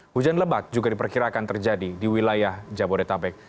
hujan lebat juga diperkirakan terjadi di wilayah jabodetabek